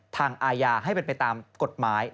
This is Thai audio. ทางอาญาให้ไปตามกฎหมาย